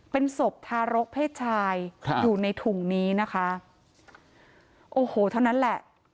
เป็นศพทารกเพศชายครับอยู่ในถุงนี้นะคะโอ้โหเท่านั้นแหละ